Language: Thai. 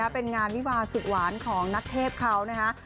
เป็นงานวิวาสุดหวานของนักเทพเขานะคะ